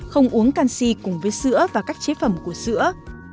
không uống canxi cùng với sữa và các chế phẩm của sữa